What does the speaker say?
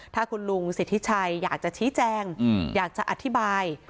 ถ้าคุณลุงสิทธิชัยอยากจะชี้แจงอยากจะอธิบาย